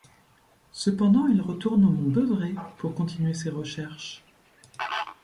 Cependant, il retourne au Mont Beuvray pour continuer ses recherches.